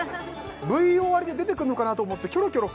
Ｖ終わりで出てくるのかなと思ってキョロキョロ